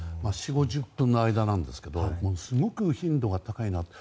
４０５０分の間ですがすごく頻度が高いなと。